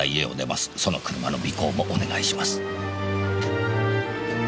「その車の尾行もお願いします」